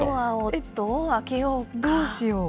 どうしよう。